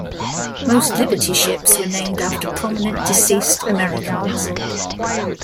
Most Liberty ships were named after prominent deceased Americans.